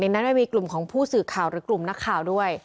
นั้นมันมีกลุ่มของผู้สื่อข่าวหรือกลุ่มนักข่าวด้วย